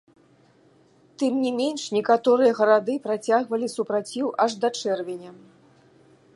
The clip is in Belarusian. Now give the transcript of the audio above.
Тым не менш, некаторыя гарады працягвалі супраціў аж да чэрвеня.